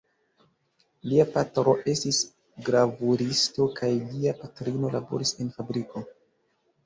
Lia patro estis gravuristo kaj lia patrino laboris en fabriko.